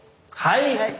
はい。